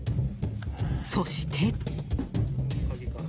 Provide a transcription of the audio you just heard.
そして。